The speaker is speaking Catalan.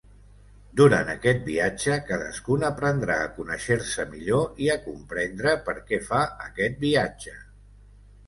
Durant aquest viatge, cadascun aprendrà a conèixer-se millor i a comprendre perquè fa aquest viatge.